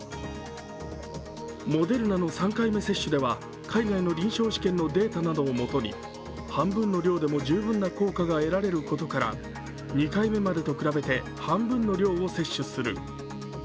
モデルナの３回目接種では、海外の臨床試験のデータなどをもとに半分の量でも十分な効果が得られることから２回目までと比べて半分の量を接種する。